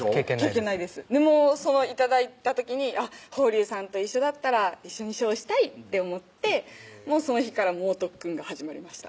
経験ないですでも頂いた時にあっ峰龍さんと一緒だったら一緒にショーしたいって思ってもうその日から猛特訓が始まりました